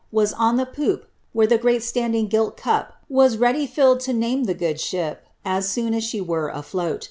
was on the poop where the great standing gilt cup was readv rtlled in name ihe good ship, as soon as she were adoai.